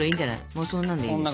もうそんなんでいいんですよ。